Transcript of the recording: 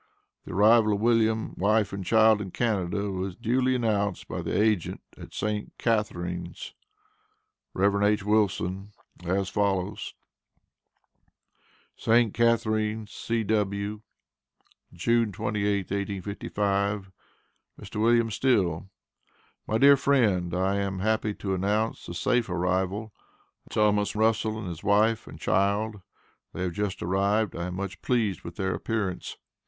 The arrival of William, wife, and child in Canada was duly announced by the agent at St. Catharines, Rev. H. Wilson, as follows: ST. CATHARINES, C.W., June 28th, 1855. MR. WM. STILL: My Dear Friend: I am happy to announce the safe arrival of Thomas Russell with his wife and child. They have just arrived. I am much pleased with their appearance.